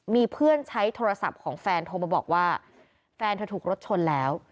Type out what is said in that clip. มีเพื่อนใช้โทรศัพท์ของแฟนโทรมาบอกว่าแฟนเธอถูกรถชนแล้ว